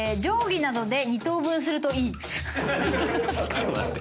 ちょっと待って。